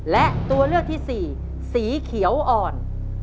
และตัวเลือกที่สี่สีเขียวอ่อน